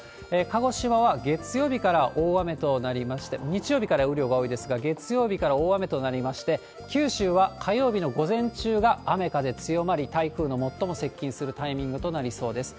鹿児島は月曜日から大雨となりまして、日曜日から雨量が多いですが、月曜日から大雨となりまして、九州は火曜日の午前中が雨、風強まり、台風の最も接近するタイミングとなりそうです。